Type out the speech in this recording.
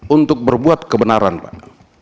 untuk berbuat kebenaran pak